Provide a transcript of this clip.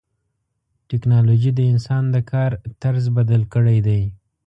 ټکنالوجي د انسان د کار طرز بدل کړی دی.